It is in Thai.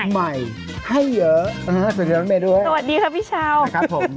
ใหม่ใหญ่เส่นแล้วท่านเบนด้วยสวัสดีครับพี่เช้าครับผม